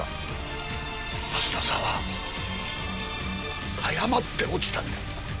鱒乃さんは誤って落ちたんです。